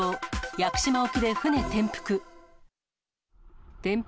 屋久島沖で船転覆。